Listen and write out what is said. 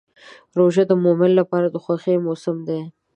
روژه د مؤمن لپاره د خوښۍ موسم دی.